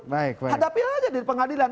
hadapi aja di pengadilan